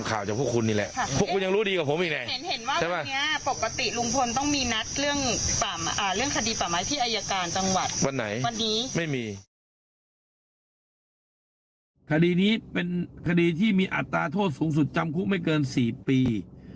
คดีนี้เป็นคดีที่มีอัตราโทษสูงสุดจำคุกไม่เกิน๔ปี